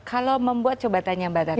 kalau membuat coba tanya mbak tani